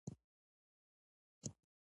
اسعد اباد ښار ولې د سیندونو سنگم دی؟